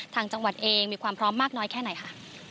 ทางจังหวัดเองมีความพร้อมมากน้อยแค่ไหนค่ะ